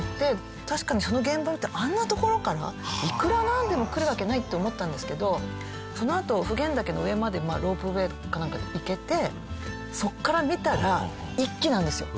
確かにその現場見たらあんな所からいくらなんでも来るわけないって思ったんですけどそのあと普賢岳の上までロープウェーかなんかで行けてそこから見たら一気なんですよ。